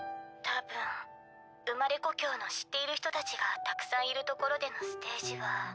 たぶん生まれ故郷の知っている人たちがたくさんいる所でのステージは。